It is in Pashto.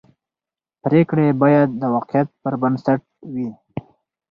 پرېکړې باید د واقعیت پر بنسټ وي